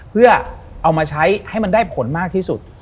เพื่อเอามาใช้ให้มันได้ผลมากที่สุด